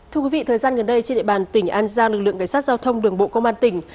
thưa quý vị thời gian gần đây trên địa bàn tỉnh an giang lực lượng cảnh sát giao thông đường bộ công an tỉnh